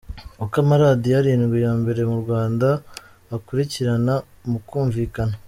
Uko amaradiyo arindwi ya mbere mu Rwanda akurikirana mu kumvikana:.